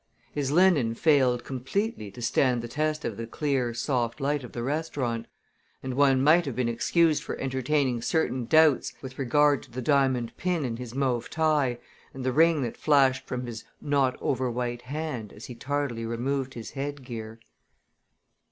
His linen failed completely to stand the test of the clear, soft light of the restaurant, and one might have been excused for entertaining certain doubts with regard to the diamond pin in his mauve tie and the ring that flashed from his not overwhite hand as he tardily removed his headgear.